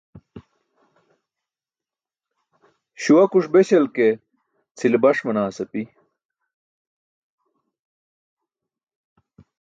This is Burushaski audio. Śuwakuṣ beśal ke cʰile baṣ manaas api.